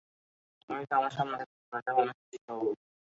তুমি যদি আমার সামনে থেকে চলে যাও আমি খুশি হব।